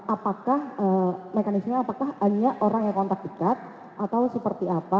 apakah mekanismenya apakah hanya orang yang kontak dekat atau seperti apa